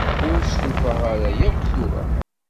Ur stufaɣ ara akk tura.